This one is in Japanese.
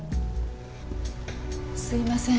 すいません。